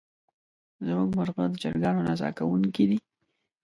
زمونږ مرغه د چرګانو نڅا کوونکې دی.